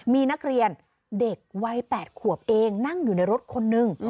มีนักเรียนเด็กวัย๘ขวบเองนั่งอยู่ในรถคนนึง